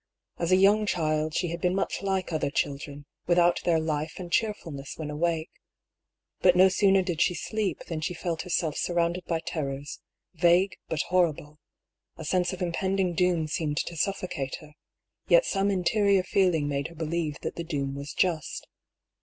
As a young child, she had been much like other children, without their life and cheerfulness when awake. But no sooner did she sleep than she felt herself surrounded by terrors, vague but horrible; a sense of impending doom seemed to suffocate her, yet some interior feeling made her believe that the doom was just.